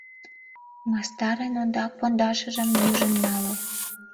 Мастар эн ондак пондашыжым нӱжын нале.